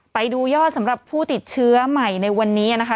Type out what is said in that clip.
ไปดูยอดสำหรับผู้ติดเชื้อใหม่ในวันนี้นะคะ